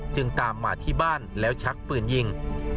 จึงตามมาที่บ้านแล้วชักปืนยิง